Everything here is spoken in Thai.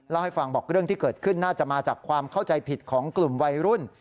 เล่าให้ฟังบอกเรื่องที่เกิดขึ้นน่าจะมาจากความเข้าใจผิดของกลุ่มวัยรุ่น